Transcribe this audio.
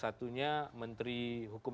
salah satunya menteri hukum